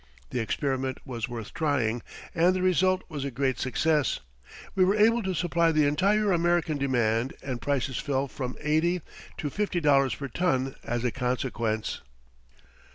The experiment was worth trying and the result was a great success. We were able to supply the entire American demand and prices fell from eighty to fifty dollars per ton as a consequence.